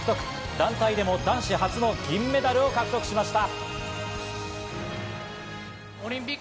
団体でも男子初の銀メダルを獲得しました。